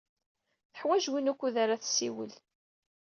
Teḥwaj win wukud ara tessiwel.